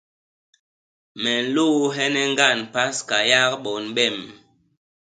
Me nlôôhene ñgand Paska yak bon bem